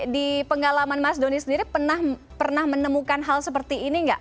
di pengalaman mas doni sendiri pernah menemukan hal seperti ini nggak